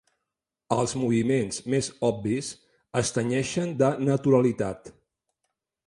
Els moviments més obvis es tenyeixen de naturalitat.